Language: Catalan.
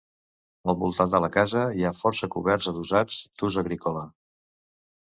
Al voltant de la casa hi ha força coberts adossats, d'ús agrícola.